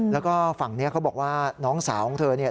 แล้วก็ฝั่งนี้เขาบอกว่าน้องสาวของเธอเนี่ย